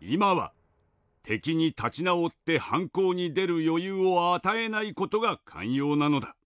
今は敵に立ち直って反攻に出る余裕を与えない事が肝要なのだ。